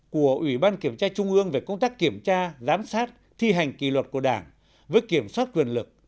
của ủy ban kiểm tra trung ương về công tác kiểm tra giám sát thi hành kỳ luật của đảng với kiểm soát quyền lực